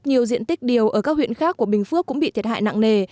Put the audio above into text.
nhiều diện tích điều ở các huyện khác của bình phước cũng bị thiệt hại nặng nề